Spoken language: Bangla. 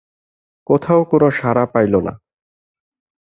কোথাও কোনো সাড়া পাইল না।